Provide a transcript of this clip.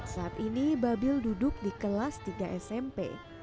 saat ini babil duduk di kelas tiga smp